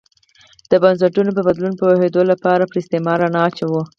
د بنسټونو پر بدلون پوهېدو لپاره پر استعمار رڼا اچوو.